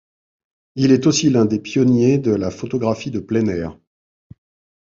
Il est aussi l'un des pionniers de la photographie de plein air.